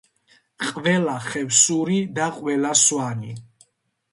ყველა ხევსური და ყველა სვანი